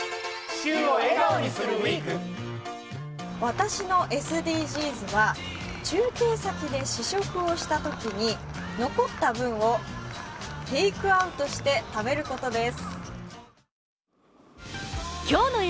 私のＳＤＧＳは中継先で試食をした時に残った分をテークアウトして食べることです